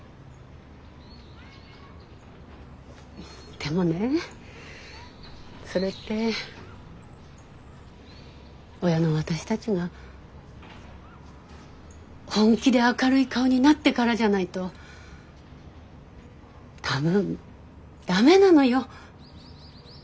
でもねそれって親の私たちが本気で明るい顔になってからじゃないと多分駄目なのよ。